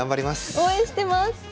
応援してます！